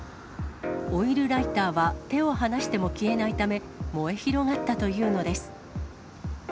オイルライターは手を離しても消えないため、燃え広がったというのです。